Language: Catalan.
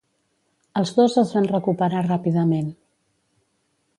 Els dos es van recuperar ràpidament.